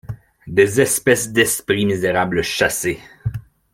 Des espèces d’esprits misérables chassés !